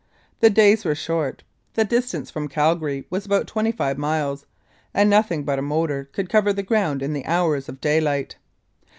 The days were short, the distance from Calgary was about twenty five miles, and nothing but a motor could cover the ground in the hours of daylight.